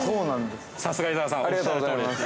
◆さすが、伊沢さん、おっしゃるとおりです。